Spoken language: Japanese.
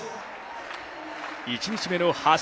１日目の走